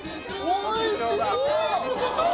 おいしそう！